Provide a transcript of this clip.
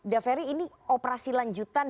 daferi ini operasi lanjutan